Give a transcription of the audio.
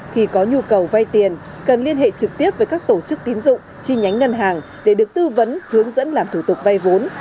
khi có nhu cầu vay tiền cần liên hệ trực tiếp với các tổ chức tín dụng chi nhánh ngân hàng để được tư vấn hướng dẫn làm thủ tục vay vốn